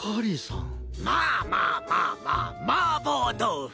まあまあまあまあマーボーどうふ！